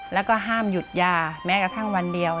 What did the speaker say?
แล้วก็ห้ามหยุดยาแม้กระทั่งวันเดียว